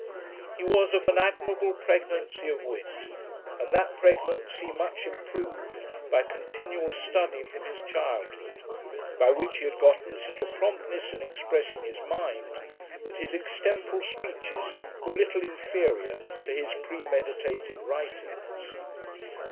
"He was of an admirable pregnancy of wit, and that pregnancy much improved by continual study from his childhood; by which he had gotten such a promptness in expressing his mind, that his extemporal speeches were little inferior to his premeditated writings.